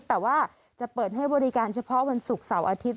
แต่ว่าจะเปิดให้บริการเฉพาะวันศุกร์เสาร์อาทิตย์